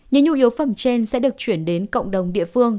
những nhu yếu phẩm trên sẽ được chuyển đến cộng đồng địa phương